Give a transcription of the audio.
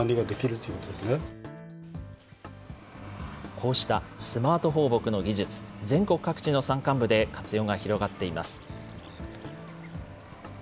こうしたスマート放牧の技術、全国各地の山間部で活用が広がっています。